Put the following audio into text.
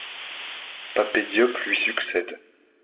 Pape Diop lui succède.